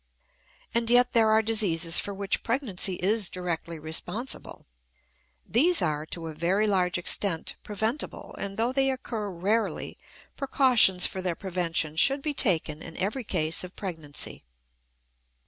And yet there are diseases for which pregnancy is directly responsible. These are, to a very large extent, preventable; and, though they occur rarely, precautions for their prevention should be taken in every case of pregnancy.